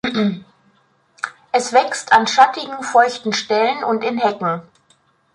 Es wächst an schattigen, feuchten Stellen und in Hecken.